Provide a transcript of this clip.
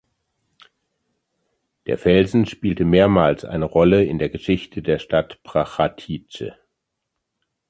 Der Felsen spielte mehrmals eine Rolle in der Geschichte der Stadt Prachatice.